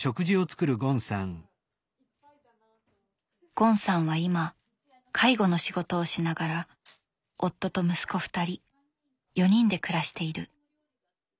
ゴンさんは今介護の仕事をしながら夫と息子２人４人で暮らしている。